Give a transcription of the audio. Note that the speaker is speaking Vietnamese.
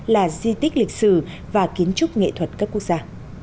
là di tích lịch sử và kiến trúc nghệ thuật các quốc gia